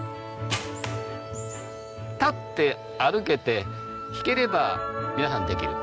立って歩けて引ければ皆さんできる。